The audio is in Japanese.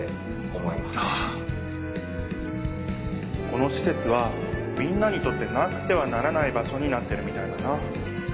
このしせつはみんなにとってなくてはならない場所になってるみたいだな。